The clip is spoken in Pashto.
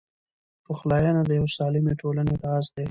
پخلاینه د یوې سالمې ټولنې راز دی.